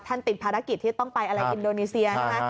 ท่านติดภารกิจที่ต้องไปอินโดนีเซีย